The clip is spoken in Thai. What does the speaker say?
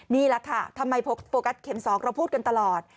นี่แหละค่ะทำไมโฟกัสเข็ม๒เราพูดกันตลอด